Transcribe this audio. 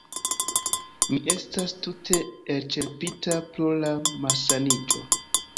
Mi estas tute elĉerpita pro la malsaniĝo